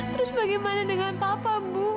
terus bagaimana dengan papa bu